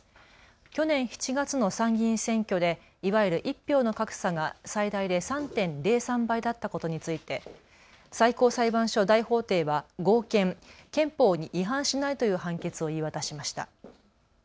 去年７月の参議院選挙でいわゆる１票の格差が最大で３．０３倍だったことについて最高裁判所大法廷は合憲、憲法に違反しないという判決を言い渡しました。